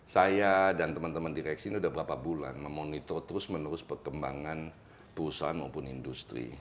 saya dan teman teman direksi ini sudah berapa bulan memonitor terus menerus perkembangan perusahaan maupun industri